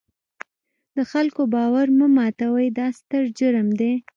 د خلکو باور مه ماتوئ، دا ستر جرم دی.